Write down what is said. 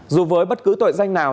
dù với bất cứ tội danh nào